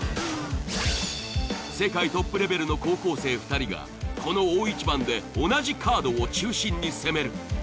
世界トップレベルの高校生２人がこの大一番で同じカードを中心に攻める。